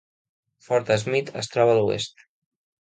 Fort Smith es troba a l'oest.